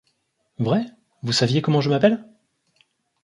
Vrai ? vous saviez comment je m’appelle ?